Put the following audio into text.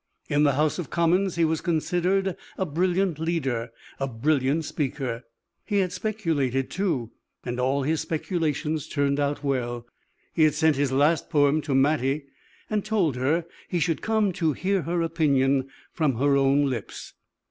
In the House of Commons he was considered a brilliant leader, a brilliant speaker. He had speculated, too, and all his speculations turned out well; he had sent his last poem to Mattie, and told her he should come to hear her opinion from her own lips.